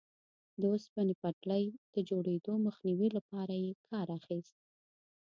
د اوسپنې پټلۍ د جوړېدو مخنیوي لپاره یې کار اخیست.